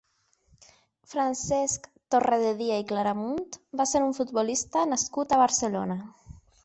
Francesc Torrededia i Claramunt va ser un futbolista nascut a Barcelona.